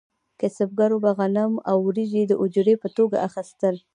کسبګرو به غنم او وریجې د اجورې په توګه اخیستل.